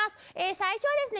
最初はですね